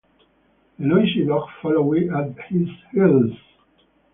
The noisy dog followed at his heels.